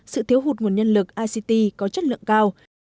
sự thiếu hụt nguồn nhân lực ict có chất lượng cao